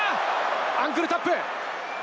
アンクルタップ。